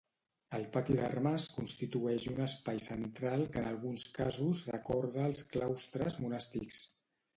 El pati d'armes constitueix un espai central que en alguns casos recorda els claustres monàstics.